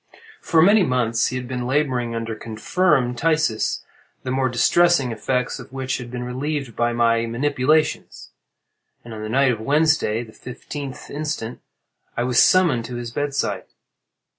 For many months he had been laboring under confirmed phthisis, the more distressing effects of which had been relieved by my manipulations; and on the night of Wednesday, the fifteenth instant, I was summoned to his bedside.